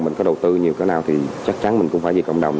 mình có đầu tư nhiều cái nào thì chắc chắn mình cũng phải vì cộng đồng